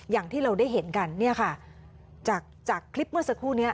อย่างที่เราได้เห็นกันเนี่ยค่ะจากคลิปเมื่อสักครู่นี้